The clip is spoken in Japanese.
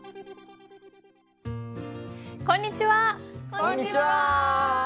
こんにちは！